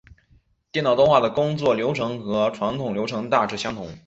电脑动画的工作流程和传统流程大致相同。